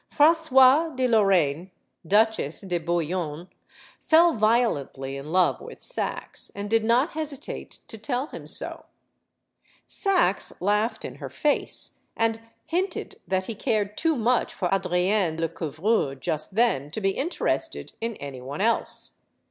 Francoise de Lorraine, Duchesse de Bouillon, fell violently in love with Saxe, and did not hesitate to tell him so. Saxe laughed in her face, and hinted that he cared too much for Adrienne Lecouvreur just then to be interested in any one else.